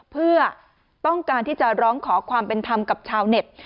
เพื่อต้องการที่จะร้องขอความเป็นธรรมกับชาวเน็ต